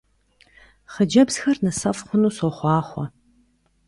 Хъыджэбзхэр нысэфӀ хъуну сохъуахъуэ!